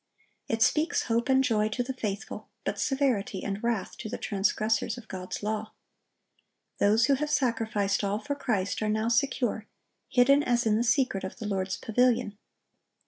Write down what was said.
It speaks hope and joy to the faithful, but severity and wrath to the transgressors of God's law. Those who have sacrificed all for Christ are now secure, hidden as in the secret of the Lord's pavilion.